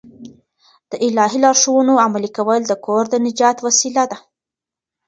د الهي لارښوونو عملي کول د کور د نجات وسیله ده.